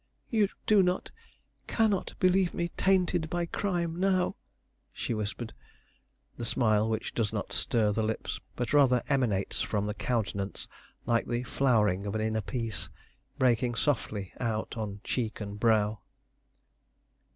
"You do not, cannot believe me tainted by crime now?" she whispered, the smile which does not stir the lips, but rather emanates from the countenance, like the flowering of an inner peace, breaking softly out on cheek and brow.